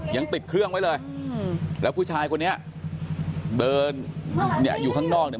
ยังติดเครื่องไว้เลยแล้วผู้ชายคนนี้เดินเนี่ยอยู่ข้างนอกเนี่ย